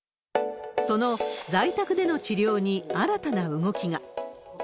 その在宅での治療に新たな動きが。